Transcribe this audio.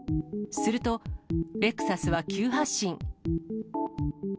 すると、レクサスは急発進。